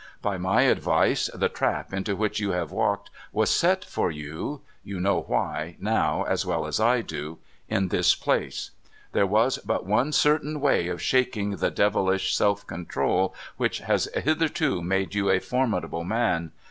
By my advice the trap into which you have walked was set for you (you know why, now, as well as I do) in this place. There was but one certain way of shaking the devilish self control which has hitherto made you a formidable man.